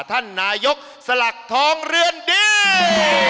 ท่านนายกสลักทองเรือนดี